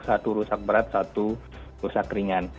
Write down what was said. satu rusak berat satu rusak ringan